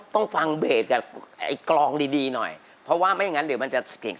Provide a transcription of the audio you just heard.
ต้องฟังเบสกับไอ้กลองดีดีหน่อยเพราะว่าไม่อย่างนั้นเดี๋ยวมันจะเก่ง